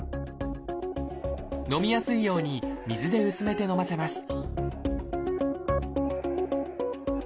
飲みやすいように水で薄めて飲ませます